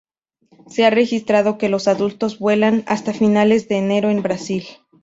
Se ha registrado que los adultos vuelan hasta finales de enero en Brasil.